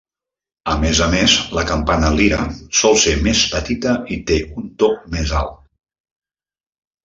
A més a més, la campana lira sol ser més petita i té un to més alt.